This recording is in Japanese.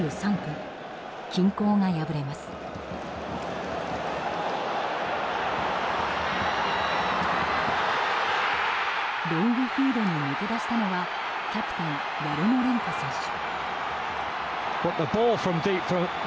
ロングフィードに抜け出したのはキャプテン、ヤルモレンコ選手。